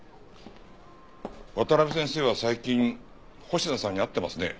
渡辺先生は最近星名さんに会ってますね？